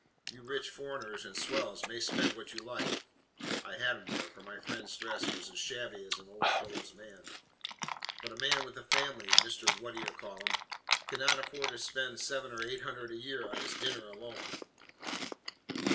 You rich foreigners and SWELLS may spend what you like" (I had him there: for my friend's dress was as shabby as an old clothes man's); "but a man with a family, Mr. Whatd'you call'im, cannot afford to spend seven or eight hundred a year on his dinner alone."